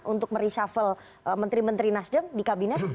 untuk mereshuffle menteri menteri nasdem di kabinet